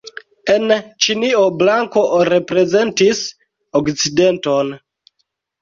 En Ĉinio blanko reprezentis okcidenton.